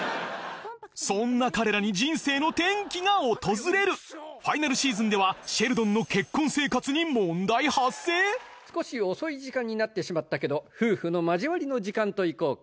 そんな彼らに人生の転機が訪れるファイナルシーズンでは少し遅い時間になってしまったけど夫婦の交わりの時間と行こうか。